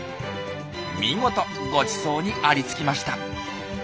見事ごちそうにありつきました。